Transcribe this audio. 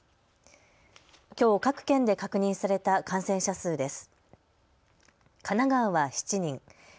きょう各県で確認された感染者数です。